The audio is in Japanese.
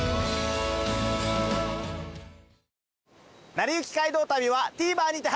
『なりゆき街道旅』はＴＶｅｒにて配信中です。